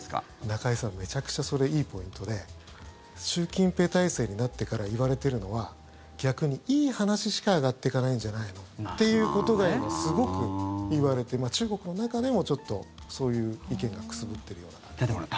中居さん、めちゃくちゃそれいいポイントで習近平体制になってから言われてるのは逆にいい話しか上がってかないんじゃないの？っていうことが今すごく言われて中国の中でもそういう意見がくすぶってるような感じですね。